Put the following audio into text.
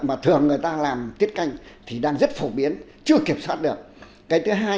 mà thường người ta làm tiết canh thì đang rất phổ biến chưa kiểm soát được cái thứ hai